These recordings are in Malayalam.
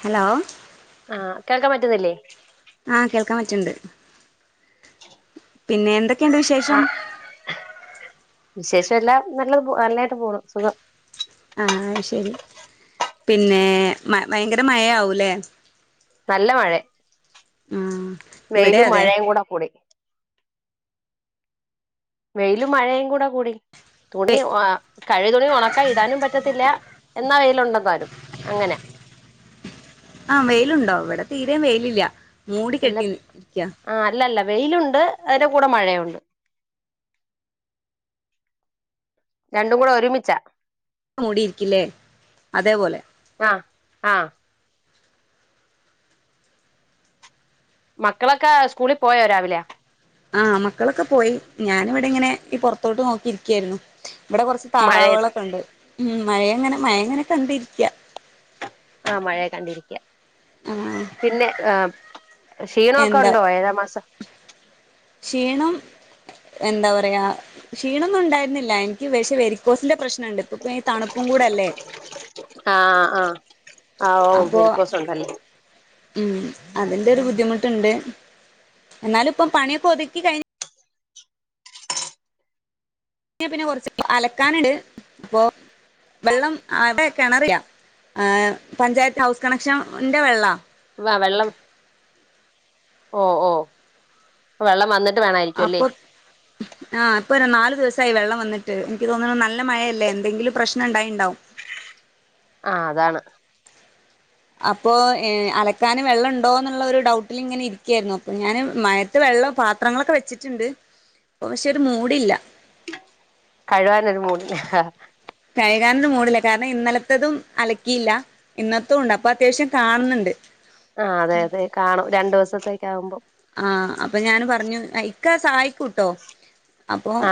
ഹലോ ആഹ് കേൾക്കാൻ പറ്റുന്നില്ലേ ആഹ് കേൾക്കാൻ പറ്റ്ണ്ട് പിന്നെ എന്ത് എന്ത് ക്കെ ണ്ട് വിശേഷം ആഹ് വിശേഷം എല്ലാം നല്ലത് നല്ല ആയിട്ട് പോണ് സുഖം ആഹ് ശരി പിന്നെ മ പയങ്കര മയയാവൂല്ലേ നല്ല മഴ ഇവിടെ വെയിലും അതെ മഴയും കൂടെ കൂടി വെയിലും മഴയും കൂടെ കൂടി തുണി വെ ഓ കഴുകിയ തുണി ഒണക്കാ ഇടാനും പറ്റത്തില്ല എന്നാ വെയ് ലൊണ്ടെന്താലും അങ്ങനെ ആഹ് വെയിലുണ്ടോ ഇവിടെ തീരേം വെയിലില്ല മൂടി അല്ല കെട്ടി നിക്ക്യാ ആഹ് അല്ലല്ല വെയിലുണ്ട് അതിന്റെ കൂടെ മഴയുണ്ട്. രണ്ടും കൂടെ ഒരുമിച്ചാ [unintelligible] മൂടിയിരിക്കില്ലേ അതേപോലെ ആഹ് ആഹ് മക്കളൊക്കെ സ്കൂളിൽ പോയോ രാവിലെ ആഹ് മക്കളൊക്കെ പോയി. ഞാനിവടങ്ങിനെ ഈ പൊറത്തോട്ട് നോക്കിയിരിക്കെന്നു. ഇവിടെ കുറച്ച് മഴയത്ത് താറാവെളൊക്കെ ഉണ്ട്. ഉം മഴ അങ്ങനെ മഴ എങ്ങനെ കണ്ടിരിക്കാ, ആഹ മഴയെ കണ്ടിരിക്കയ ആ പിന്നെ ഏഹ്, ക്ഷീണൊക്കെ എന്താ ഉണ്ടോ ഏഴാമാസം ക്ഷീണം എന്താ പറയാ ക്ഷീണൊന്നും ഉണ്ടായിരുന്നില്ല എനിക്ക് വി വെരിക്കോസിന്റെ പ്രശ്നുണ്ട് ഇപ്പം തണുപ്പും കൂടെല്ലേ? ആഹ് ആഹ് ആഹ് ഓഹ് വെരിക്കോസ് ഉണ്ടന്നെ ഉം അതിന്റെ ഒരു ബുദ്ധിമുട്ടുണ്ട്. എന്നാലിപ്പൊ പണിയൊക്കെ ഒതുക്കി കഴിഞ്ഞ പിന്നെ കുറച്ച് അലക്കാനിണ്ട്. അപ്പൊ വെള്ളം ഇവിടെ കിണറില, ഏഹ് പഞ്ചായത്ത് ഹൗസ് കണക്ഷ ന്റെ വെള്ളാ വ വെള്ളം [inaudible] ഓ ഓ, വെള്ളം വന്നി അപ്പൊ, ആഹ് ഇപ്പൊ രു നലു ദിവസ് സ്സായി വെള്ളം വന്നിട്ട്. എനിക്ക് തോന്നുന്നു നല്ല മഴയല്ലേ, എന്തെങ്കിലും പ്രശ്നം ഇണ്ടായിണ്ടാവും. ആഹ് അതാണ്. അപ്പൊ ഏഹ് അലക്കാനു വെള്ളണ്ടോ എന്നുള്ള ഒരു ഡൗട്ടില് ഇങ്ങനെ ഇരിക്കെർന്നു. അപ്പൊ ഞാന് മഴത്ത് വെള്ളം പാത്രങ്ങളൊക്കെ വെച്ചിട്ടുണ്ട്. ഇപ്പൊ പക്ഷെ ഒരു മൂടില്ല കഴുകാനൊരു മൂടില്ല. കഴുകാനൊന്നും മൂടില്ല. കാരണം ഇന്നലത്തതും അലക്കിയില്ല. ഇന്നത്തും ഉണ്ട് അപ്പൊ അത്യാവിശ്യം കാണുന്നുണ്ട് ആഹ് അതെയതെ കാണു രണ്ടു ദിവസ സപ്രേറ്റാവുമ്പോ ആഹ് അപ്പൊ ഞാൻ പറഞ്ഞു ഇക്ക സഹായിക്കൂട്ടോ അപ്പൊ ആ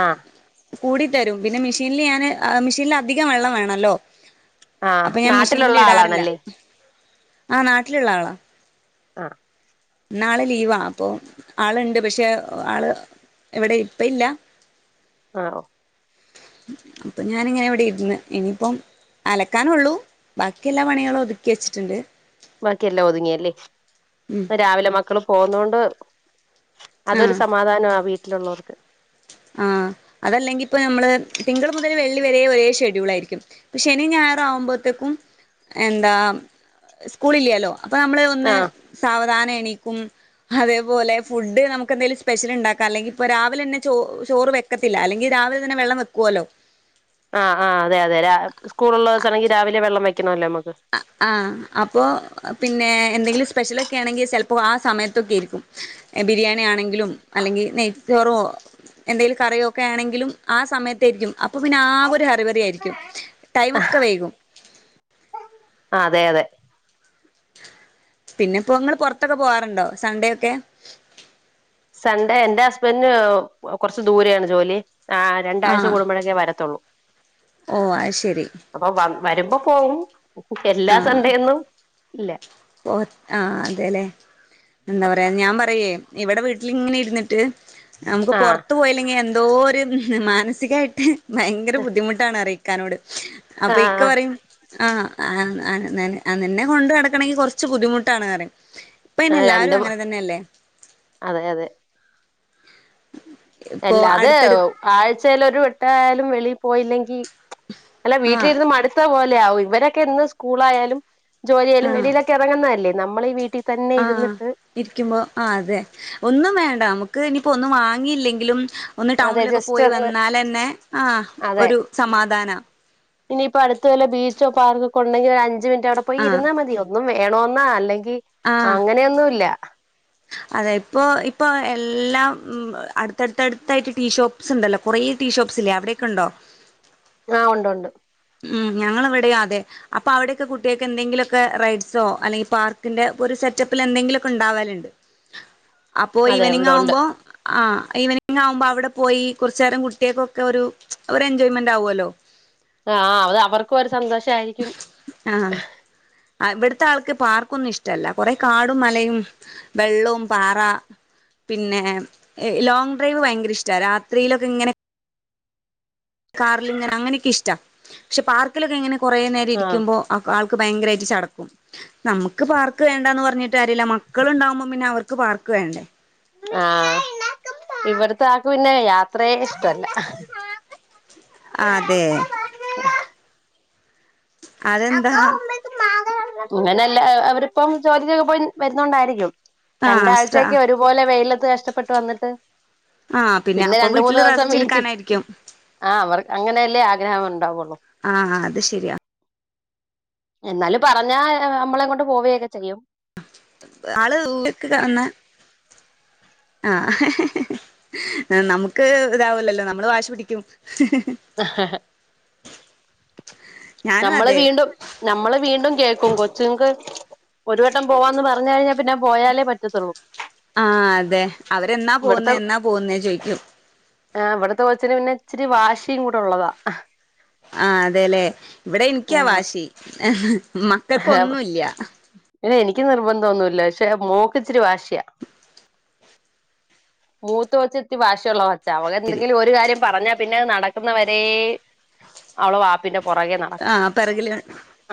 കൂടിത്തരും. പിന്നെ മിഷീനില് ഞാന് മിഷീനില് അധികം വെള്ളം വേണല്ലോ ആഹ് നാട്ടിലുള്ള ആളാണല്ലേ? ആ നാട്ടിലുള്ള ആളാ ആഹ്. നാളെ ലീവാ അപ്പൊ ആളുണ്ട് പക്ഷെ, ആള് ഇവിടെ ഇപ്പ ഇല്ല ആഹ് ഓ അപ്പൊ ഞാനിങ്ങനെ ഇവിടെ ഇര്ന്ന്. ഇനിയിപ്പം അലക്കാനൊള്ളു ബാക്കി എല്ലാ പണികളും ഒതുക്കി വെച്ചിട്ട്ണ്ട്. ബാക്കിയെല്ലാം ഒതുങ്ങിയല്ലേ, ഉം അപ്പോ രാവിലെ മക്കളെ പോന്നോണ്ട് അതൊരു സമാധാന ആ വീട്ടിലുള്ളവർക്ക് ആ അതല്ലെങ്കിപ്പ നമ്മള് തിങ്കള് മുതൽ വെള്ളി വരെ ഒരേ ഷെഡ്യൂളായിരിക്കും. പക്ഷെ ശനി ഞായറാകുമ്പോത്തേക്കും എന്താ സ്കൂൾ ഇല്ലല്ലോ അപ്പൊ നമ്മള് ആ ഒന്ന് സാവധാനെ നീക്കും, അതെ പോലെ ഫുഡ്ഡ് ഞമ്മക്കെന്തേലും സ്പെഷ്യൽണ്ടാക്ക അല്ലെങ്കിൽപ്പോ രാവിലെന്നെ ചോറ് ചോറ് വെക്കത്തില്ല അല്ലെങ്കിൽ രാവിലെ തന്നെ വെള്ളം വെക്കുവല്ലോ ആഹ് ആ അതെ അതെ, സ്കൂളുള്ള ദിവസാണെങ്കിൽ രാവിലെ വെള്ളം വെക്ക ആഹ് അപ്പോ പിന്നെ എന്തെങ്കിലും സ്പെഷ്യലൊക്കെ ആണെങ്കിൽ ചിലപ്പോൾ ആ സമയത്തൊക്കെയിരിക്കും ബിരിയാണി ആണെങ്കിലും അല്ലെങ്കി നെയ്ച്ചോറോ എന്തെങ്കിലും കറിയോ ഒക്കെ ആണെങ്കിലും ആ സമയത്തായിരിക്കും അപ്പ പിന്നെ ആകെ ഒരു ഹറി ബറി യയിരിക്കും ടൈം ഒക്കെ വൈകും ആ അതെ അതെ പിന്നെ ഇപ്പോ ഇങ്ങള് പൊറത്തൊക്കെ പോവാറുണ്ടോ സൺഡേ ഒക്കെ? സൺഡേ എൻ്റെ ഹസ്ബൻഡിന് കൊറച്ച് ദൂരെയാണ് ജോലി ആ രണ്ടാഴ്ച്ച ആഹ് കൂടുമ്പോഴൊക്കേ വരത്തുള്ളൂ ഓ അത് ശരി വരുമ്പ പോവും എല്ലാ ആഹ് സൺഡേ ഒന്നും ഇല്ല ഓ ആ അതേലെ എന്താ പറയാ ഞാൻ പറയുവേ ഇവിടെ വീട്ടിലിങ്ങനെ ഇരുന്നിട്ട് നമുക്ക് ആ പൊറത്ത് പോയില്ലെങ്കിൽ എ ന്തോ ഒരു മാനസികായിട്ട് ഭയങ്കര ബുദ്ധിമുട്ടാണ് [unintelligible] ഇക്കാനോട് അപ്പോ ഇക്ക ആഹ് പറയും ആ നിന്നെ കൊണ്ട് നടക്കണമെങ്കി കൊറ ച്ചു ബുദ്ധിമുട്ടാണ് പറിം ഇപ്പന്നെ ആഹ് എല്ലാരും രണ്ടും അങ്ങനെ തന്നെയല്ലേ അതെ അതെ ഇപ്പൊ അല്ല അത് അടുത്തടു ആഴ്ചയിൽ ഒരു വട്ടായാലും വെളി പോയില്ലെങ്കി അല്ല ആഹ് വീട്ടിലിരുന്ന് മടുത്ത പോ ലാവും ഇവരൊക്കെ എന്നും സ്കൂളായാലും ജോലിയായാലും വെളിയിലൊക്കേ എറങ്ങുന്നതല്ലേ നമ്മള് ഈ വീട്ടിൽ തന്നെ ആ ഇരുന്നിട്ട് ഇരിക്കുമ്പോ ആ അതെ ഒന്നും വേ ണ്ട നമുക്ക് ഇനിയിപ്പോ ഒന്നും വാങ്ങിയില്ലെങ്കിലും ഒന്ന് അതെ ടൗണിലൊക്കെ ജസ്റ്റ് പോയി ഒന്ന് വന്നാലന്നെ ആ അതെ ഒരു സമാധാനാ ക്കൊണ്ടെങ്കിൽ ഒരു അഞ്ച് മിനിറ്റ് റ്റവിടെ പോയി ഇരുന്നാ മതി ഒന്നും വേണോന്ന അല്ലെങ്കി ൽ ആഹ് അങ്ങനെയൊന്നും ഇല്ല അതെ ഇപ്പൊ ഇപ്പൊ എല്ലാം ഉം അടുത്തടുത്തടുത്തായിട്ട് ടീഷോപ്സ് ഉണ്ടല്ലോ കൊറേ ടീഷോപ്സ് ഇല്ലേ അവിടെക്കെ ഉണ്ടോ? ആ ഒണ്ടൊണ്ട് ഉം ഞങ്ങളെവിടെയും അതെ അപ്പൊ അവിടെയൊക്കെ കുട്ടികൾക്ക് എന്തെങ്കിലുമൊക്കെ റൈഡ്സോ അല്ലെങ്കിൽ പാർക്കിന്റെ ഒരു സെറ്റപ്പില് എന്തെങ്കിലുമൊക്കെ ഇണ്ടാവല്ണ്ട്. അപ്പൊ അതെ ഈവനിങ് ഉണ്ട് ഉണ്ട് ആവുമ്പോ ആ ഈവനിങ് ആവുമ്പോ അവിടെ പോയി കൊറച്ച് നേരം കുട്ടികൾക്കൊക്കെ ഒരു ഒരു എൻജോയ്മെന്റ് ആവൂല്ലോ. ആ അത് അവർ ക്ക് ഒരു സന്തോഷമായിരിക്കും അ ഇവിടുത്തെ ആൾക്ക് പാർക്കൊന്നും ഇഷ്ടമല്ല കുറെ കാടും മലയും വെള്ളവും പാറ പിന്നെ ലോങ് ഡ്രൈവ് ഭയങ്കര ഇഷ്ടാ രാത്രിയിലൊക്കെ ഇങ്ങനെ കാറിലിങ്ങനെ അങ്ങനെയൊക്കെ ഇഷ്ടാ പക്ഷേ പാർക്കിലൊക്കെയി ങ്ങനെ കുറേ നേരം ആഹ് ഇരിക്കുമ്പോൾ ആ ആൾക്ക് ക്ക് ഭയങ്കരമായിട്ട് ചടക്കും നമുക്ക് പാർക്ക് വേണ്ടാന്ന് പറഞ്ഞിട്ട് കാര്യല്ല മക്കളുണ്ടാവുമ്പോം പിന്നെ അവർക്ക് പാർക്ക് വേണ്ടേ ആ ഇവിടത്തെ ആക്ക് പിന്നെ യാത് ത്രേ ഇഷ്ടല്ല അതെ അതെന്താ അങ്ങനെല്ല അവരിപ്പം ജോലിക്കൊക്കെ പോയി വരുന്നോണ്ടായിരിക്കും ആഹ് സ്ട്ര രണ്ടാഴ്ച്ചയൊക്കെ ഒരുപോലെ വെയിലത്ത് ത്ത് കഷ്ടപ്പെട്ട് വന്നിട്ട് ആഹ് പിന്നെ അപ്പൊ രണ്ട് മൂന്ന് വീട്ടില് ദിവസം റെസ്റ്റ് വീട്ടിൽ എടുക്കാനായിരിക്കും ആ അവർക്ക് അങ്ങനല്ലേ ആഗ്രഹം ഒണ്ടാവൊള്ളു ആഹ് അത് ശരിയാ എന്നാലും പറഞ്ഞാ നമ്മളെം കൊണ്ട് പോവയൊക്കെ ചെയ്യും ആള് വീട്ടിത്തന്നെ ആ നമുക്ക് ഇതാവിലല്ലോ നമ്മള് വാശി പിടിക്കും ആഹ് ഹ്‌ ഞാനും നമ്മള് അതെ വീണ്ടും നമ്മള് വീണ്ടും കേ ക്കും കൊച്ചുങ്ങക്ക് ഒരു വട്ടം പോവാന്ന് പറഞ്ഞ് കഴിഞ്ഞാൽ പിന്നെ പോയാലേ പറ്റത്തൊള്ളൂ. ആ അതെ അവര് എന്നാ പോന്നെ എന്നാ പോന്നെ ചോയിക്കും. ആ ഇവിടത്തെ കൊച്ചിന് പിന്നെ ഇച്ചിരി വാശിയും കൂടെ ഒള്ളതാ ആ അതെല്ലെ ഇവിടെ എനിക്കാ വാശി. ഏ ഹ് മക്കൾക്കൊന്നുംല്ല ക്ക് നിർബന്ധം ഒന്നൂല്ല പക്ഷേ മോൾക്ക് ഇച്ചിരി വാശിയാ മൂത്തകൊച്ച് ഇച്ചിരി വാശിയുള്ളതാ. ച്ചാ അവളെന്തെങ്കിലും ഒരു കാര്യം പറഞ്ഞാ പിന്നെ നട ക്കുന്നവരേയും അവള് വാപ്പിന്റെ പുറകെ നടക്കും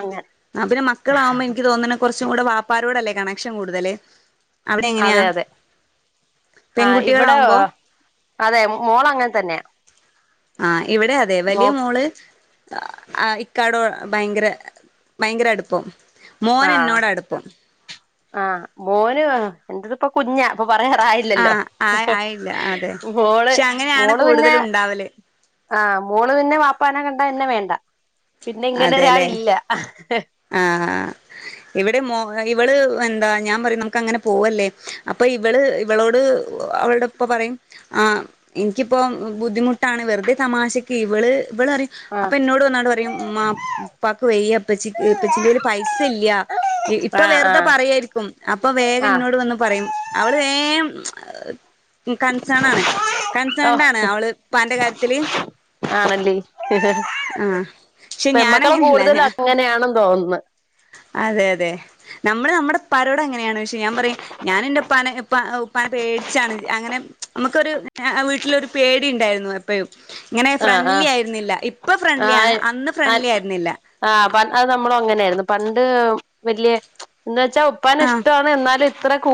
അങ്ങനെ ആ പിന്നെ മക്കളാവുമ്പോ എനിക്ക് തോന്നണെ കൊറച്ചുകൂടെ വാപ്പാ നോടല്ലേ കണക്ഷൻ കൂടുതല്. അവിടെ എങ്ങനെയാ അതെ അതെ ആ ഇവിടെ പെൺകുട്ടികളാവുമ്പോ ആ അതെ മോളങ്ങനെ തന്നെയാ. ആ ഇവിടെ അതെ മോ വലിയ മോള് ആ ഇക്കാടോ ഭയ്ങ്കര ഭയ്ങ്കര അടുപ്പം മോൻ ആ എന്നോട അടുപ്പം ആ മോന് എന്റെതിപ്പ കുഞ്ഞാ പ്പൊ പറയാറായില്ലല്ലോ ആഹ് ആ ആയില്ല അതെ മോള് പക്ഷെ അങ്ങനെയാണ് മോള് പിന്നെ കൂടുതലും ഉണ്ടാവല് ആഹ് മോള് പിന്നെ വാപ്പാനെ കണ്ട എന്നെ വേണ്ട പിന്നെ ഇങ്ങനെ അതെല്ലേ ഒരാളില്ല ആഹ് ഇവിടെ മോ ഇവള് എന്താ ഞാൻ പറയും നമുക്ക് അങ്ങനെ പോവല്ലേ അപ്പൊ ഇവള് ഇവളോട് അവളടെ ഇപ്പ പറയും ആ എനിക്കിപ്പോ ബുദ്ധിമുട്ടാണ് വെറുതെ തമാശക്ക് ഇവള് ഇവള് പറയും ആ അപ്പൊ എന്നോട് വന്നാണ്ട് പറയും മ്മാ ഉപ്പാക്ക് വയ്യ ഉപ്പച്ചി ഇപ്പച്ചിന്റെല് പൈസ ഇല്ല്യാ ഇ ഇപ്പ ആ ആ വെറുതെ പറയായിരിക്കും അപ്പൊ ആ വേഗന്നോട് വന്ന് പറയും അവള് വേ [unintelligible] കൺസേൺ ആണ് ഓ കൺസേണ്ട് ആണ് അവള് പ്പാന്റെ കാര്യത്തില് ആണല്ലേ ആ ക്ഷെ ഞാൻ പെമ്മക്കള് അങ്ങനെയല്ല കൂടുതലും ഞാ അങ്ങനെയാണെന്ന് തോന്നുന്നു അതെ അതെ ന- മ്മള് നമ്മടെ ഇപ്പാരോടങ്ങ നെയാണ് ക്ഷെ ഞാൻ പറിം ഞാൻ എന്റെ ഉപ്പാനെ ഉപ്പ ഉപ്പാനെ പേടിച്ചാണ് അങ്ങനെ മ്മ്ക്കൊരു ആ ആ വീട്ടിലൊരു പേടി ഇണ്ടായിരുന്നു എപ്പെഴും ഇങ്ങനെ ആഹ് ഫ്രണ്ട്ലി ആയിരുന്നില്ല ഇപ്പൊ ഫ്രണ്ട്ലി ആണ് ആഹ് അന്ന് ഫ്രണ്ട്ലി ആയിരുന്നില്ല മ്മളും അങ്ങനെയായിരുന്നു പണ്ട് വല്യ എന്ന്ച്ചാ ഉപ്പനെ ഇഷ്ടാണ് എന്നാല് ത്ര കൂ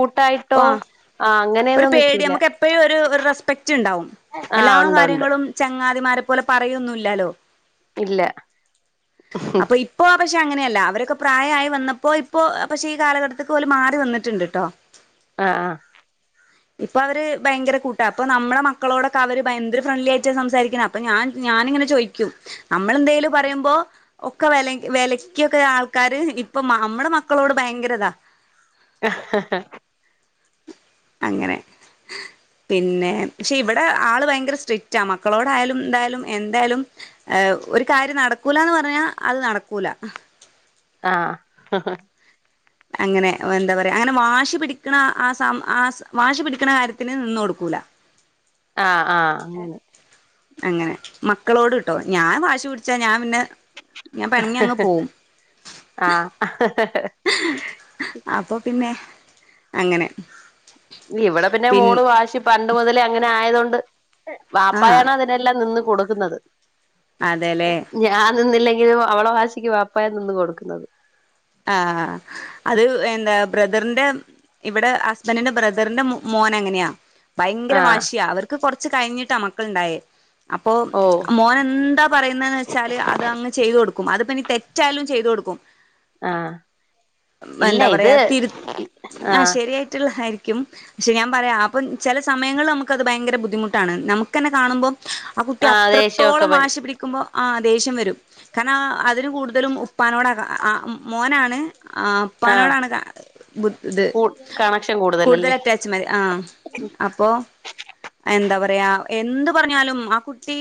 ആ ഒരു പേടി നിക്കൂല നമുക്ക് എപ്പഴും ഒരു ഒരു റെസ്പെക്റ്റ് ണ്ടാവും ആഹ് എല്ലാ ഉണ്ട് ഉണ്ട് കാര്യങ്ങളും ചങ്ങാതിമാരെ പോലെ പറയൊന്നുല്ലാല്ലോ ഇല്ല അപ്പൊ ഇപ്പൊ പ്പൊ പക്ഷെ അങ്ങനെയല്ല അവരൊക്കെ പ്രായയായി വന്നപ്പോ ഇപ്പോ പക്ഷെ ഈ കാലഘട്ടത്തിക്ക് ഓല് മാറി വന്നിട്ട്ണ്ട് ട്ടോ ആ ആ ഇപ്പൊ അവര് ഭയങ്കര കൂട്ടാ ഇപ്പൊ നമ്മളെ മക്കളോടൊക്കെ അവര് ഭ എന്തൊരു ഫ്രണ്ട്ലി ആയിട്ടാ സംസാരിക്കണ അപ്പൊ ഞാൻ ഞാനിങ്ങനെ ചോയ്ക്കും നമ്മളെന്തേലും പറയുമ്പോ ഒക്ക വെല വെലക്കിക്കൊക്കെ ആൾക്കാര് ഇപ്പൊ മ നമ്മടെ മക്കളോട് ഭയങ്കരതാ ഹഹഹ അങ്ങനെ പിന്നെ ക്ഷെ ഇവിടെ ആള് ഭയങ്കര സ്ട്രിക്റ്റാ മക്കളോടായാലും ന്തായാലും എന്തായാലും ഏഹ് ഒരു കാര്യം നടക്കൂലന്ന് പറഞ്ഞാ അത് നടക്കൂല ആഹ് അങ്ങനെ എന്താ പറയാ അങ്ങനെ വാശി പിടിക്കണ ആ ആ സാ ആ വാശി പിടിക്കണ കാര്യത്തിന് നിന്ന് കൊടുക്കൂല അ ആഹ് അങ്ങനെ അങ്ങനെ മക്കളോട് ട്ടോ ഞാൻ വാശി ഞാൻ പിണങ്ങി അങ്ങ് പോവും ആഹ് അങ്ങനെ ഇവിടെ പിന്നെ പിൻ മോള് വാശി പൻ ണ്ട് മുതലേ അങ്ങനെ ആയതൊണ്ട് വാപ്പായാണ് അതിനെല്ലാം നിന്ന് കൊടുക്കുന്നത് അതെ ലെ ഞാൻ നിന്നില്ലെങ്കിലും അവളെ വാശിക്ക് വാപ്പായ നിന്ന് കൊടുക്കുന്നത് ആഹ അത് എന്താ ബ്രദറിന്റെ ഇവിടെ ഹസ്ബന്റിന്റെ ബ്രദറിന്റെ മോനങ്ങനെയാ ഭയങ്കര ആഹ് വാശിയ അവർക്ക് കൊർ ച്ച് കഴിഞ്ഞിട്ട മക്കള്ണ്ടായേ അപ്പൊ ഓ മോനെന്താ പറയുന്നേന്ന് വെച്ചാല് അത് അങ്ങ് ചെയ്ത് കൊടുക്കും അത്പ്പനി തെറ്റായാലും ചെയ്ത് കൊടുക്കും കും ആഹ് ഇല്ല എന്താ ഇത് പറയാ തിരു ആഹ ആഹ് ശരിയായിട്ടുള്ള ആയിറി ക്യും പക്ഷെ ഞാൻ പറയാ അപ്പം ചില സമയങ്ങളില് നമുക്കത് ഭയങ്കര ബുദ്ധിമുട്ടാണ് നമുക്കന്നെ കാണുമ്പോ ആ കുട്ടി ആഹ് ദേഷ്യമൊക്കെ അത്രത്തോളം വരും വാശി പിടിക്കുമ്പോ ആ ദേഷ്യം വരും കാരണം അതിന് കൂടുതലും ഉപ്പാനോടാ കാ മം മോനാണ് ആ ആഹ് ഉപ്പാനോടാണ് കാ ബു ത് കൂ കണക്ഷൻ കൂടുതൽ കൂടുതലല്ലേ അറ്റാച്ച് മ ആ അപ്പോ എന്താ പറയാ എന്തുപറഞ്ഞാലും ആ കുട്ടി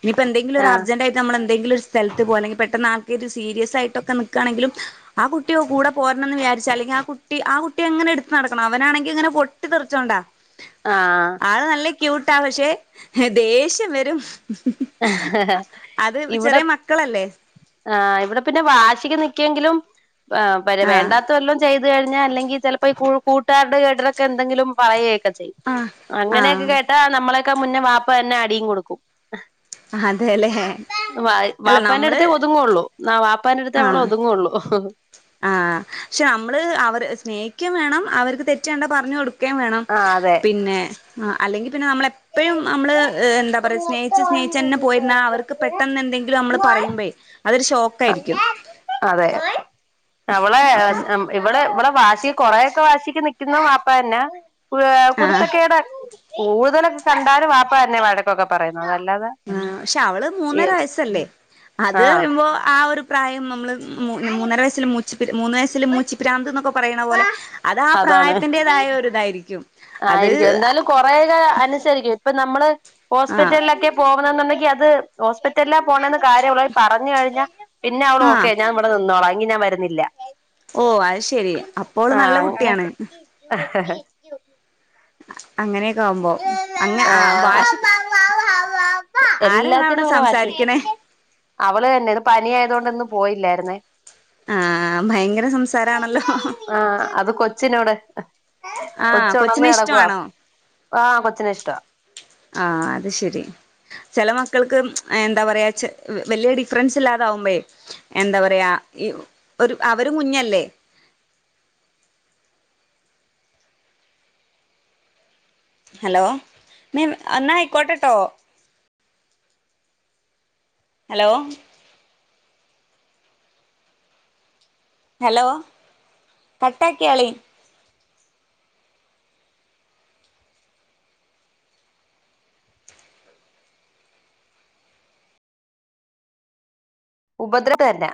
ഇനിയിപ്പോ എന്തെങ്കിലൊരു ആഹ് അർജന്റായിട്ട് നമ്മളെന്തെങ്കിലൊരു സ്ഥലത് പെട്ടന്ന് ആൾക്കൊരു സീരിയസ് ആയിട്ടൊക്കെ നിക്കാണെങ്കിലും ആ കുട്ടിയോ കൂടെ പോരണന്ന് വിചാരിച്ച അല്ലെങ്കിൽ ആ കുട്ടി ആ ട്ടി അങ്ങനെ എടുത്ത് നടക്കണം അവനാണെങ്ങി ഇങ്ങനെ പൊട്ടി തെറിച്ചോണ്ടാ ആഹ് ആള് നല്ല ക്യൂട്ട പക്ഷേ ദേഷ്യം വരും അത് ഇവിടെ ചെറിയ മക്കളല്ലേ ആഹ ഇവിടെ പിന്നെ വാശിക് നിക്കെങ്കിലും ആ പര ആഹ് വേണ്ടാത്തല്ലോം ചെയ്ത ത് കഴിഞ്ഞാ അല്ലെങ്കി ചെലപ്പോ ഈ കൂ കൂട്ടുകാരുടെ ഇടക്ക് എന്തെങ്കിലും പറയ കെ ചെയും ആഹ് അങ്ങനെയൊക്കെ ആഹ് കേട്ടാ നമ്മളെ ക്കെ മുന്നേ വാപ്പ തന്നെ അടിയും കൊടുക്കും അതെല്ലേ വ അല്ല വാപ്പാന്റെ നമ്മള് അടുത്തേ ഒതുങ്ങുള്ളൂ ന വ പ്പാന്റെ അടുത്തേ അവൾ ഒതുങ്ങുള്ളൂ ആ പക്ഷെ നമ്മൾ അവര് സ്നേ ക്ക് വേണം അവർക്ക് തെറ്റ് കണ്ടാൽ പറഞ്ഞു കൊടുക്കും. ക്ക വേണം ആഹ് അതെ പിന്നെ അല്ലെങ്കിൽ പിന്നെ നമ്മൾ എപ്പോഴും നമ്മൾ എന്താ പറയാ സ്നേഹിച്ച് സ്നേഹിച്ചു തന്നെ പോയിരുന്ന അവർക്ക് പെട്ടെന്ന് എന്തെങ്കിലും നമ്മൾ പറയുമ്പേ അതൊരു ഷോക്കായിരിക്കും അതെ അവളെ അപ്പം ഇവിളെ ഇവിളെ വാശി കൊറേയൊക്കെ വാശിക്ക് നിക്കുന്ന ബാപ്പ തന്നെ കുര് ആഹ് കുരുത്തക്കേടാ കൂടുതലൊക്കെ കണ്ടാലും ബാപ്പ തന്നെ വഴക്കൊക്കെ പറയും. ആ പക്ഷെ അവൾ മൂന്നര വയസല്ലേ അത് ആഹ് പറയുമ്പോൾ ആ ഒരു പ്രായം നമ്മൾ മൂന്നര വയസ്സിൽ മൂച്ചി പ്രാ മൂന്നര വയസ്സിൽ മൂച്ചിപ്പ്രാന്ത് എന്നൊക്കെ പറയണ പോലെ അത് ആ അതാണ് പ്രായത്തിൻ്റെതായ ഒരു ഇതായിരിക്കും അത് ആയിരിക്കും എന്തായാലും കൊറെയൊക്കെ അനുസരിക്കും ഇപ്പൊ നമ്മള് ആഹ് ഹോസ്പിറ്റലിലൊക്കെ പോ പോവുന്നുണ്ടെങ്കിൽ അത് ഹോസ്പിറ്റലിലാ പോണത് കാര്യമായി പറഞ്ഞു കഴിഞ്ഞാൽ പിന്നെ അവൾ ഓ ആഹ് നിന്നോളാം എങ്കിൽ ഞാൻ വരുന്നില്ല ഓ അത് ശരി അപ്പോൾ ആഹ് നല്ല കുട്ടിയാണ്. അങ്ങനെയൊക്കെ [inaudible] അങ്ങനെ ക്ക ആവുമ്പോ അങ്ങെ ആ ആഹ് വാശി ആരാണ് അവിടെ എല്ലാത്തിനും അങ്ങനെ വാശി സംസാരിക്കണേ പിടിക്കും ക്കിട്ടുന്നെ ആ ഭയങ്കര സംസാരം ആണല്ലോ ഹ ഹ ആഹ് അത് [inaudible] ആ കൊച്ചിനെ ഇഷ്ടമാണോ ആ കൊച്ചിനെ ഇഷ്ട വാ ആഹ് അത് ശരി ചെല മക്കൾക്ക് എന്താ പറയാ വലിയ ഡിഫറൻസ് ഇല്ലാതാവുമ്പേ എന്താ പറയാ ഈ ഒരു അവരും കുഞ്ഞല്ലേ ഹലോ എന്നായിക്കോട്ടട്ടോ ഹലോ ഹലോ കട്ടാക്ക്യാളി ഉപദ്ര [unintelligible] ന്നാ